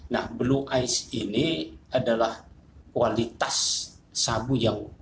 nah blue ice ini adalah kualitas sabu yang